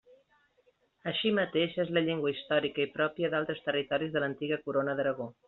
Així mateix és la llengua històrica i pròpia d'altres territoris de l'antiga Corona d'Aragó.